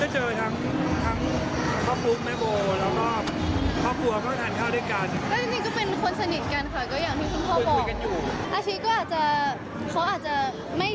เจอทั้งพ่อปุ๊บแม่โบแล้วก็พ่อผัวก็ทานข้าวด้วยกัน